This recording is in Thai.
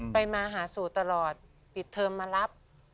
มาหาสู่ตลอดปิดเทอมมารับ